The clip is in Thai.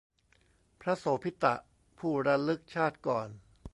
พระโสภิตะ ผู้ระลึกชาติก่อน